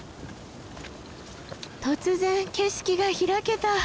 突然景色が開けた。